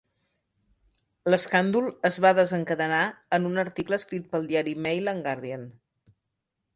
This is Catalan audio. L'escàndol es va desencadenar en un article escrit pel diari Mail and Guardian.